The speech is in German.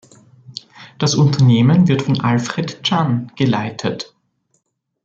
Das Unternehmen wird von Alfred Chan geleitet.